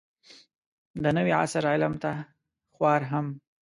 د نوي عصر علم ته خوار هم